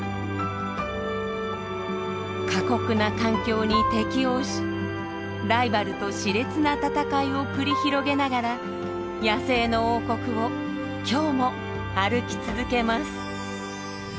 過酷な環境に適応しライバルと熾烈な戦いを繰り広げながら野生の王国を今日も歩き続けます。